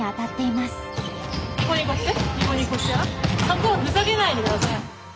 そこはふざけないでください！